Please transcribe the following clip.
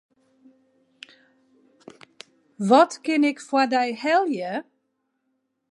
Wat kin ik foar dy helje?